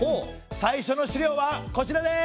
最初の資料はこちらです！